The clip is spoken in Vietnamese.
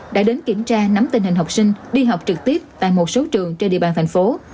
đã đến kiểm tra nắm tình hình học sinh đi học trực tiếp tại một số trường trên địa bàn thành phố